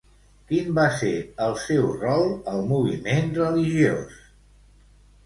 Quin va ser el seu rol al moviment religiós?